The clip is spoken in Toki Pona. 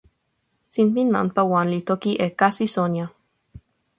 sinpin nanpa wan li toki e "kasi Sonja".